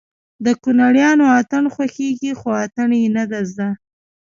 د کونړيانو اتڼ خوښېږي خو اتڼ يې نه زده